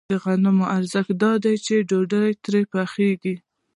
د غنمو ارزښت دا دی چې ډوډۍ ترې پخېږي